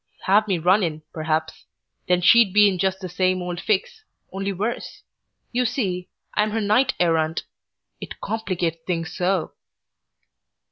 Have me run in, perhaps. Then she'd be in just the same old fix, only worse. You see, I'm her Knight errant. It complicates things so."